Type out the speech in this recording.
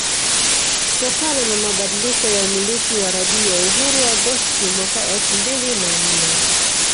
Kutokana na mabadiliko ya umiliki wa Radio Uhuru Agosti mwaka elfu mbili na nne